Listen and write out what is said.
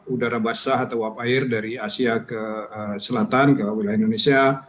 udara basah atau uap air dari asia ke selatan ke wilayah indonesia